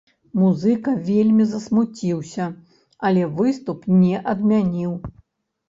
Музыка вельмі засмуціўся, але выступ не адмяніў.